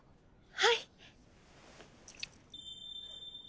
はい。